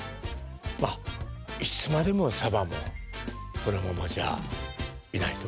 まあいつまでもサバもこのままじゃいないと思いますよ。